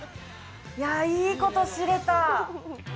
いや、いいこと知れた！